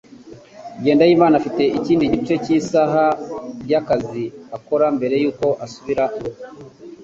Jyendayimana afite ikindi gice cyisaha yakazi akora mbere yuko asubira murugo.